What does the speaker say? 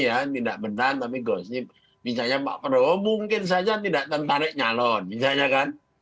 ya tidak benar tapi gosip misalnya pak prabowo mungkin saja tidak tertarik nyalon misalnya kan